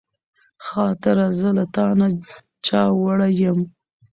خاطره زه له تا نه چا وړې يم